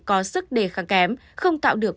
có sức đề kháng kém không tạo được